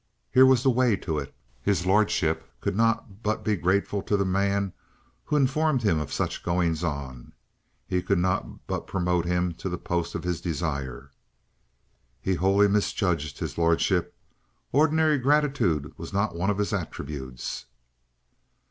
Here was the way to it; his lordship could not but be grateful to the man who informed him of such goings on; he could not but promote him to the post of his desire. He wholly misjudged his lordship. Ordinary gratitude was not one of his attributes.